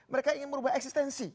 mereka ingin mengubah eksistensi